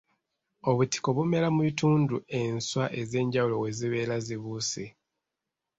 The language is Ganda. Obutiko bumera mu bitundu enswa ez'enjawulo we zibeera zibuuse.